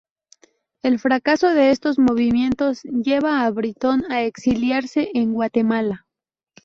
El fracaso de esos movimientos lleva a Britton a exiliarse en Guatemala.